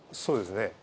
そうですね。